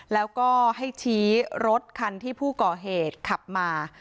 แล้วก็ให้ชี้รถคันที่ผู้ก่อเหตุขับมา